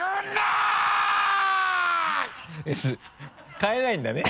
変えないんだね。